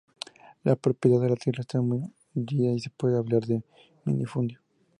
La propiedad de la tierra está muy dividida y se puede hablar de minifundio.